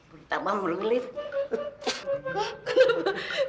buri tambah mulut lid